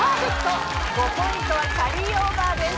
５ポイントはキャリーオーバーです。